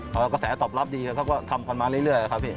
แล้วก็แสดงตอบรับดีครับก็ทำกว่ามาเรื่อยครับพี่